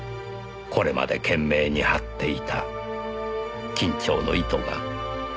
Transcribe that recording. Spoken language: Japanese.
これまで懸命に張っていた緊張の糸が。